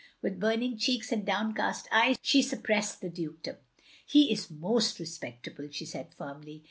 With burning cheeks and downcast eyes, she suppressed the dukedom. " He is most respectable, " she said firmly.